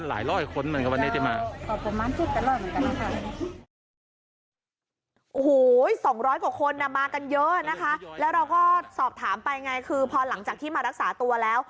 แล้วเราก็สอบถามไปไงคือพอหลังจากที่มารักษาตัวแล้ว